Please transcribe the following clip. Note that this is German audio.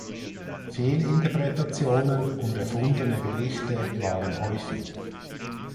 Fehlinterpretationen und erfundene Berichte waren häufig.